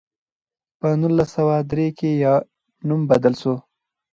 په نولس سوه درې کې یې نوم بدل شو.